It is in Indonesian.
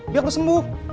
biar lo sembuh